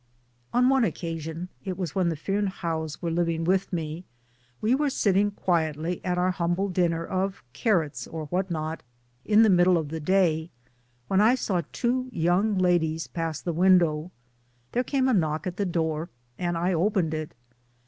On one occasion it was when the Fearnehoughs were living with me we were sitting quietly at our humble dinner of carrots or what not, in the middle of the day, when I saw two young ladies pass the window. There came a knock at the door, and I opened it.